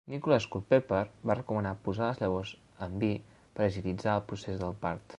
Nicholas Culpeper va recomanar posar les llavors en vi per agilitzar el procés del part.